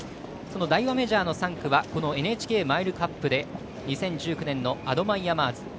そのダイワメジャーはこのＮＨＫマイルカップで２０１９年のアドマイヤマーズ。